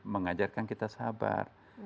mengajarkan kita sabar